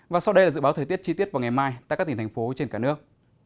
và sau đây là dự báo thời tiết chi tiết vào ngày mai tại các tỉnh thành phố trên cả nước